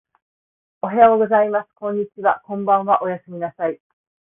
おはようございます。こんにちは。こんばんは。おやすみなさい。